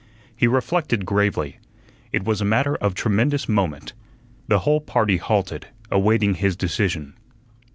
He reflected gravely. It was a matter of tremendous moment. The whole party halted, awaiting his decision.